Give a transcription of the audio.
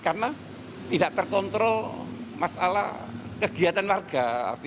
karena tidak terkontrol masalah kegiatan warga